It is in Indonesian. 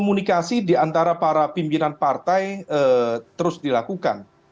komunikasi diantara para pimpinan partai terus dilakukan